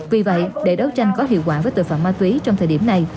vì vậy để đấu tranh có hiệu quả với tội phạm ma túy trong thời điểm này